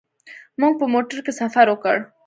موږ په موټر کې سفر وکړ.